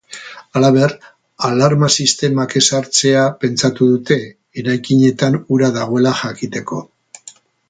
Halaber, alarma sistemak ezartzea pentsatu dute, eraikinetan ura dagoela jakiteko.